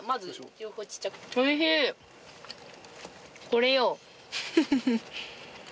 これよ。